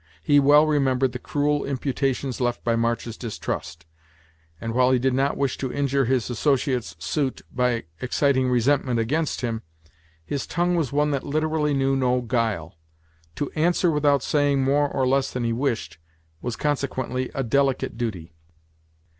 He well remembered the cruel imputations left by March's distrust; and, while he did not wish to injure his associate's suit by exciting resentment against him, his tongue was one that literally knew no guile. To answer without saying more or less than he wished, was consequently a delicate duty.